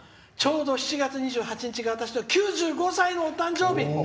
ちょうど、７月２８日が私の９５歳のお誕生日。